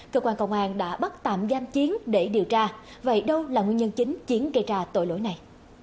cơ quan công an đã bắt tạm giam chiến để điều tra vậy đâu là nguyên nhân chính chiến gây ra tội lỗi này